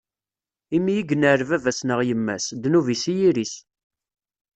Imi i yenɛel baba-s neɣ yemma-s, ddnub-is i yiri-s.